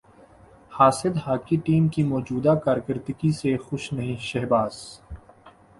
حاسد hockey team کی موجودہ کارکردگی سے خوش نہیں شہباز